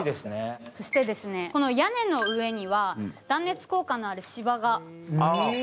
そして、屋根の上には断熱効果のある芝が。